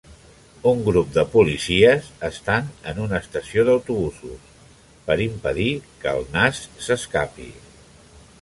Un grup de policies estan en una estació d'autobusos, per impedir que el nas s'escapi.